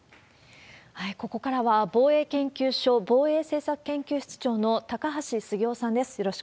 ここからは、防衛研究所防衛政策研究室長の高橋杉雄さんです。